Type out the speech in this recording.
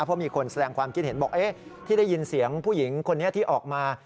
เพราะมีคนแสดงความคิดเห็นบอกที่ได้ยินเสียงผู้หญิงคนนี้ที่ออกมา